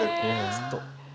ずっと。え！